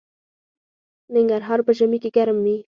ننګرهار په ژمي کې ګرم وي